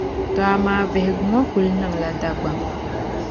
Tɔ amaa vihigu ŋɔ kuli niŋla Dagbaŋ